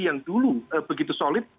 yang dulu begitu solid